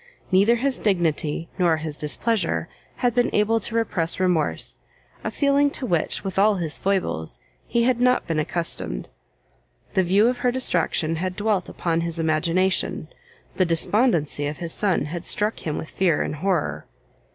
Neither his dignity nor his displeasure had been able to repress remorse, a feeling to which, with all his foibles, he had not been accustomed. The view of her distraction had dwelt upon his imagination, the despondency of his son had struck him with fear and horror.